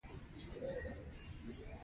کله چې د کارګرانو شمېر زیات وي